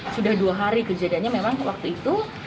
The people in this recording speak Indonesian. sudah dua hari kejadiannya memang waktu itu